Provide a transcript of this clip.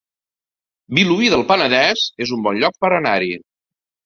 Vilobí del Penedès es un bon lloc per anar-hi